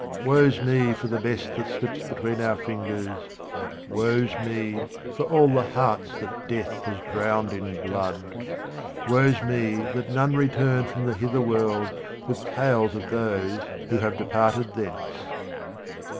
Woe's me for the best that slips between our fingers. Woe's me for all the hearts that death has drowned in blood. Woe's me that none return from the hither world with tales of those who have departed thence.